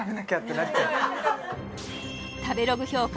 食べログ評価